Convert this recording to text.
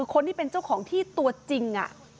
คนที่เป็นเจ้าของที่ตัวจริง